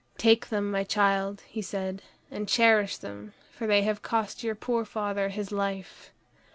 "Take them, my child," he said, "and cherish them, for they have cost your poor father his life."